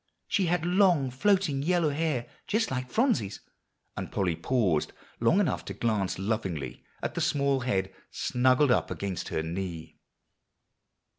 She had long floating yellow hair, just like Phronsie's;" and Polly paused long enough to glance lovingly at the small head snuggled up against her knee.